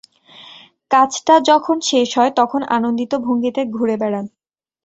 কাজটা যখন শেষ হয় তখন আনন্দিত ভঙ্গিতে ঘুরে বেড়ান।